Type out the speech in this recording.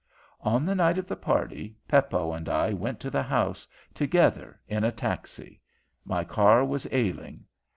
"On the night of the party, Peppo and I went to the house together in a taxi. My car was ailing.